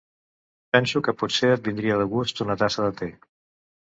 Penso que potser et vindria de gust una tassa de te.